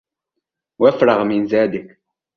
وَافْرَغْ مِنْ زَادِك